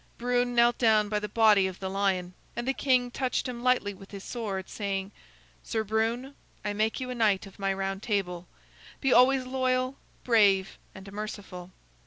Brune knelt down by the body of the lion, and the king touched him lightly with his sword, saying: "Sir Brune, I make you a knight of my Round Table. Be always loyal, brave, and merciful."